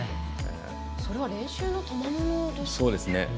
それは練習のたまものですね。